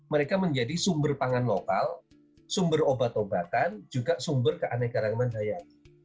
mereka menjadi sumber pangan lokal sumber obat obatan juga sumber keanekaragaman dayang